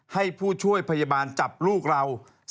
ให้ผู้ช่วยพยาบาลจับลูกเรา